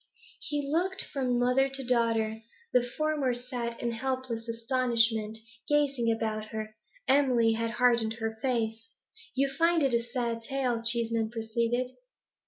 He looked from mother to daughter. The former sat in helpless astonishment, gazing about her; Emily had hardened her face. 'You find it a sad tale,' Cheeseman proceeded.